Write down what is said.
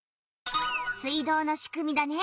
水道のしくみだね。